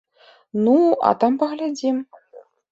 Ну, а там паглядзім!